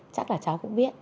chắc là cháu cũng biết